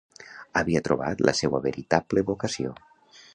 Havia trobat la seua veritable vocació.